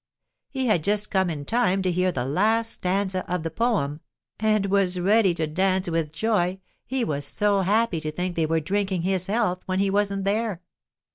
He had just come in time to hear the last stanza of the poem and was ready to dance with joy, he was so happy to think they were drinking his health when he wasn't there.